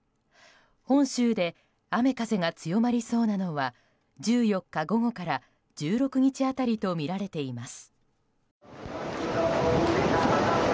本州で雨風が強まりそうなのは１４日午後から１６日辺りとみられています。